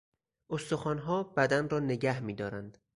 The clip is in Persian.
استخوانها بدن را نگه میدارند.